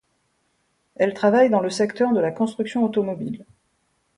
Elle travaille dans le secteur de la construction automobile.